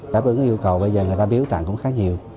đáp ứng yêu cầu bây giờ người ta biếu tặng cũng khá nhiều